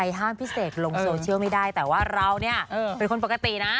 ห้ามพี่เสกลงโซเชียลไม่ได้แต่ว่าเราเนี่ยเป็นคนปกตินะ